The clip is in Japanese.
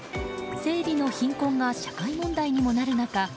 生理の貧困が社会問題にもなる中